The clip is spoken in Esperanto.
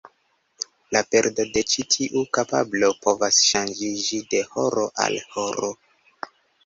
La perdo de ĉi tiu kapablo povas ŝanĝiĝi de horo al horo.